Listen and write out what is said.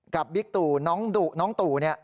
กับบิ๊กตู่น้องตู่เนี่ย